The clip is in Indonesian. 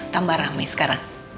tambah rame sekarang